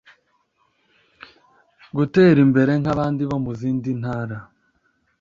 gutera imbere nkabandi bo muzindi ntara